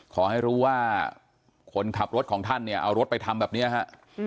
ขอให้รู้ว่าคนขับรถของท่านเนี่ยเอารถไปทำแบบนี้ฮะ